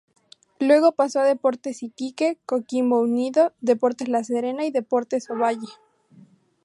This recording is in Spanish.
Luego pasó a Deportes Iquique, Coquimbo Unido, Deportes La Serena y Deportes Ovalle.